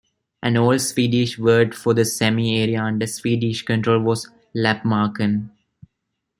An old Swedish word for the Sami area under Swedish control was "Lappmarken".